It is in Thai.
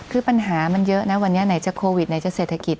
คือปัญหามันเยอะนะวันนี้ไหนจะโควิดไหนจะเศรษฐกิจ